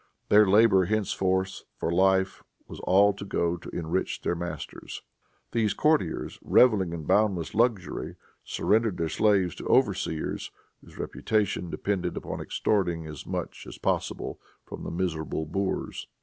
Their labor henceforth, for life, was all to go to enrich their masters. These courtiers, reveling in boundless luxury, surrendered their slaves to overseers, whose reputation depended upon extorting as much as possible from the miserable boors.